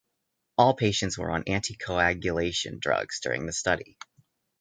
All patients were on anticoagulation drugs during the study.